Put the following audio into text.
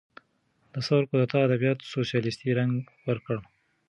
د ثور کودتا ادبیات سوسیالیستي رنګ ورکړ.